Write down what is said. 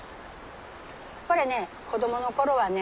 これね子どもの頃はね。